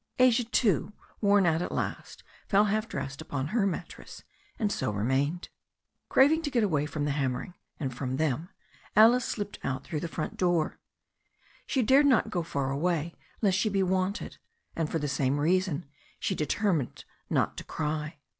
Asia, too, worn out at last, fell half dressed upon her mattress and so remained. Craving to get away from the hammering and from them, Alice slipped out through the front door. She dared not go far away lest she be wanted, and for the same reason she determined not to cry.